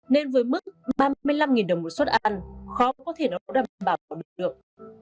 nên với mức ba mươi năm đồng một suất ăn khó có thể nó đảm bảo được